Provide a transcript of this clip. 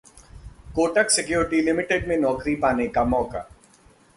Kotak Securities Limited में नौकरी पाने का मौका